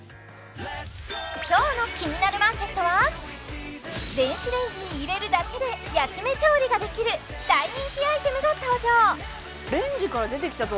今日の「キニナルマーケット」は電子レンジに入れるだけで焼き目調理ができる大人気アイテムが初登場！